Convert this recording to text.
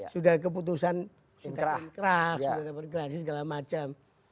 sudah keputusan inkrah sudah keputusan berklasis segala macam